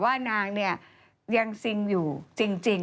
ว่านางเนี่ยยังซิงอยู่จริง